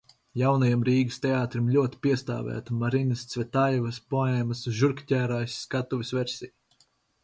Jaunajam Rīgas teātrim ļoti piestāvētu Marinas Cvetajevas poēmas "Žurkķērājs" skatuves versija.